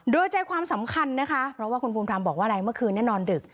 โดยใจความสำคัญนะคะเพราะว่าคุณภูมิธรรมบอกว่าอะไรเมื่อคืนนี้นอนดึก